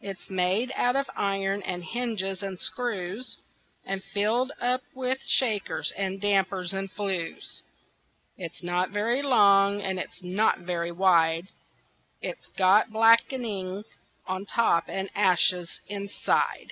It's made out of iron and hinges and screws, And filled up with shakers, and dampers, and flues. It's not very long and it's not very wide; It's got black'ning on top and ashes inside.